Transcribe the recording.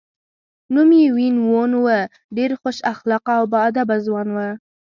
نوم یې وین وون و، ډېر خوش اخلاقه او با ادبه ځوان و.